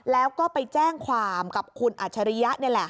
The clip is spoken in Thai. แล้วก็ไปแจ้งความกับคุณอัจฉริยะนี่แหละ